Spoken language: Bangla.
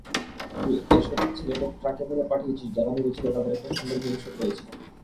তুই ওইসব ছেলেদের ট্রাকে ভরে পাঠিয়েছিস যারা ভেবেছিল তাদের একটা সুন্দর ভবিষ্যৎ রয়েছে।